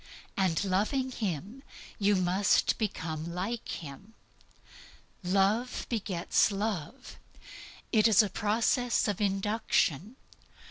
And loving Him, you must become like Him. Love begets love. It is a process of induction.